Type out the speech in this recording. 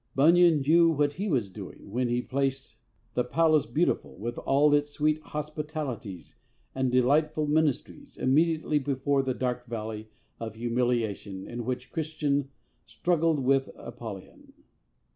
Bunyan knew what he was doing when he placed the Palace Beautiful, with all its sweet hospitalities and delightful ministries, immediately before that dark Valley of Humiliation in which Christian struggled with Apollyon.